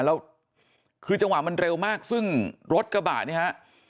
แล้วคือจังหวะมันเร็วมากซึ่งรถกระบะเนี่ยฮะ